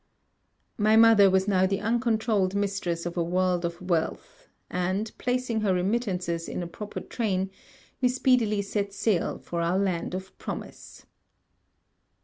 My mother was now the uncontrouled mistress of a world of wealth; and, placing her remittances in a proper train, we speedily set sail for our land of promise.